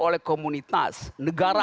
oleh komunitas negara